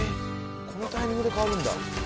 このタイミングで変わるんだ。